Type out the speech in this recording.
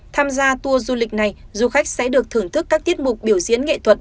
tham gia tour du lịch này du khách sẽ được thưởng thức các tiết mục biểu diễn nghệ thuật